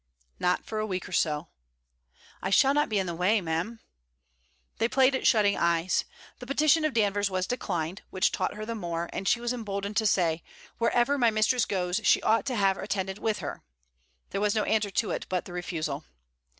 'Not for a week or so.' 'I shall not be in the way, ma'am.' They played at shutting eyes. The petition of Danvers was declined; which taught her the more; and she was emboldened to say: 'Wherever my mistress goes, she ought to have her attendant with her.' There was no answer to it but the refusal.